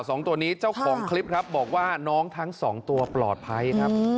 สองตัวนี้เจ้าของคลิปครับบอกว่าน้องทั้งสองตัวปลอดภัยครับ